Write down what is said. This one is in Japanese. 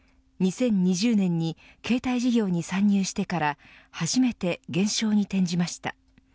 ２０２０年に携帯事業に参入してから初めて減少に転じました。